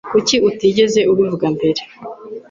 Kuki utigeze ubivuga mbere?